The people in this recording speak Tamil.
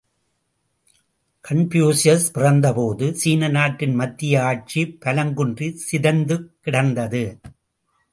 கன்பூசியஸ் பிறந்தபோது, சீன நாட்டின் மத்திய ஆட்சி பலங்குன்றி சிதைந்துக் கிடந்தது!